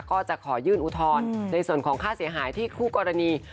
ก็จะขอยื่นอุทธรณ์ในส่วนของค่าเสียหายที่คู่กรณี